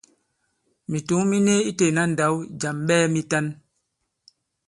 Mìtǔŋ mi ni itē ìna ndǎw jàm ɓɛɛ mitan.